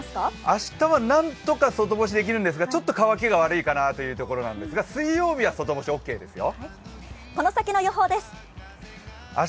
明日はなんとか外干しできますがちょっと乾きが悪いかなというところなんですが水曜日は外干しオッケーですよ。